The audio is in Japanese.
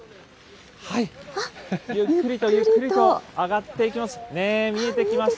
ゆっくりとゆっくりと上がっていきます。